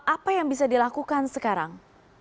apa yang bisa dilakukan sekarang